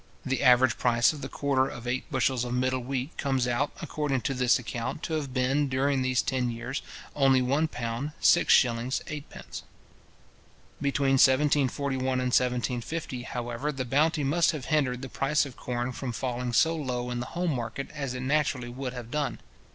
The average price of the quarter of eight bushels of middle wheat comes out, according to this account, to have been, during these ten years, only £ 1:6:8. Between 1741 and 1750, however, the bounty must have hindered the price of corn from falling so low in the home market as it naturally would have done.